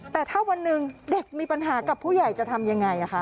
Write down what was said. แต่ถ้าวันหนึ่งเด็กมีปัญหากับผู้ใหญ่จะทำยังไง